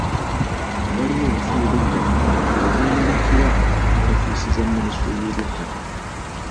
Waliwo obufere bw'ettaka obweyolekera mu ofiisa za minisitule y’eby'ettaka.